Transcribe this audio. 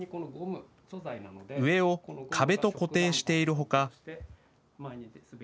上を壁と固定しているほか。